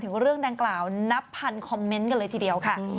เรื่องดังกล่าวนับพันคอมเมนต์กันเลยทีเดียวค่ะ